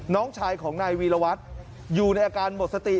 น้องชายของนายวีรวัตรอยู่ในอาการหมดสติ